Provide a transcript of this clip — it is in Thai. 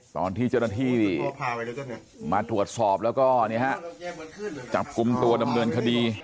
ตอนที่เจ้าหน้าที่มาถวดสอบแล้วก็เนี่ยฮะจับกุมตัวดำเนินคดี